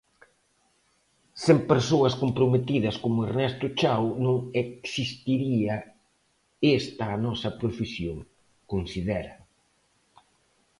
Sen persoas comprometidas como Ernesto Chao non existiría esta a nosa profesión, considera.